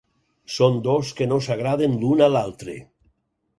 Són dos que no s'agraden l'un a l'altre.